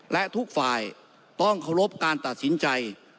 และทุกฝ่ายต้องเคารพการตัดสินใจ